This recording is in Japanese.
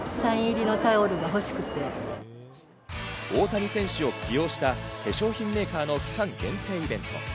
大谷選手を起用した化粧品メーカーの期間限定イベント。